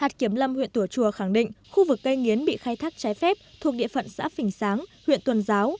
hạt kiểm lâm huyện tùa chùa khẳng định khu vực cây nghiến bị khai thác trái phép thuộc địa phận xã phình sáng huyện tuần giáo